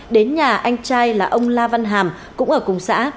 đến nhà anh trai là ông la văn hàm cũng ở cùng xã